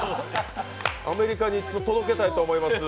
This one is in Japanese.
アメリカに届けたいと思います。